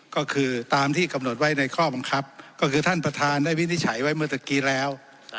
ก็คือตามที่กำหนดไว้ในข้อบังคับก็คือท่านประธานได้วินิจฉัยไว้เมื่อตะกี้แล้ว